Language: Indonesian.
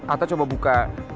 atta coba buka